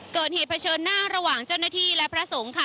เผชิญหน้าระหว่างเจ้าหน้าที่และพระสงฆ์ค่ะ